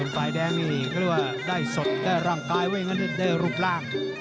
ฟ้ายแดงนี่ก็เรียกว่าได้สดได้ร่างกายไว้ได้รูปร่าง